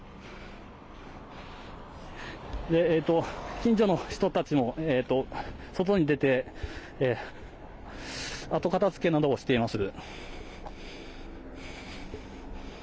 近所の人たちも外に出て、後片づけなどをしています。